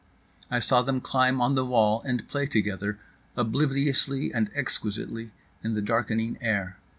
I saw them climb on the wall and play together, obliviously and exquisitely, in the darkening air.